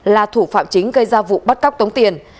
là thủ phạm chính gây ra vụ bắt cóc tống tiền